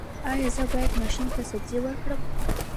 ایا زه باید ماشوم ته سبزي ورکړم؟